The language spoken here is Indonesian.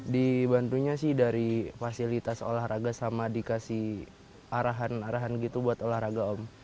dibantunya sih dari fasilitas olahraga sama dikasih arahan arahan gitu buat olahraga om